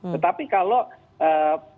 tetapi kalau pengangkatan di bawah